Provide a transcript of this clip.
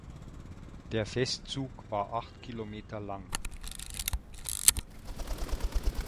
Der Festzug war acht Kilometer lang.